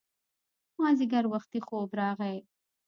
مازیګر وختي خوب راغی